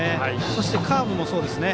そしてカーブもそうですね。